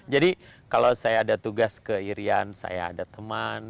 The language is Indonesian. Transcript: jadi kalau saya ada tugas ke irian saya ada teman